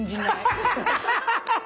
ハハハハハ！